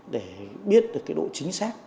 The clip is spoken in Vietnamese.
để biết được cái độ chính xác